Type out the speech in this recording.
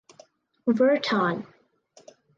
Virton.